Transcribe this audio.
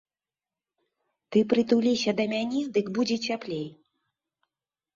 Ты прытуліся да мяне, дык будзе цяплей.